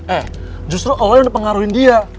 eh justru allah yang udah pengaruhin dia